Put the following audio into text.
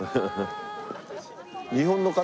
日本の方？